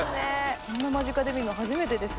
こんな間近で見るの初めてです。